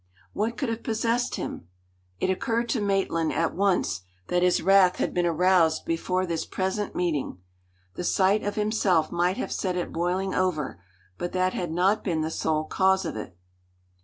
What could have possessed him? It occurred to Maitland at once that his wrath had been aroused before this present meeting. The sight of himself might have set it boiling over, but that had not been the sole cause of it.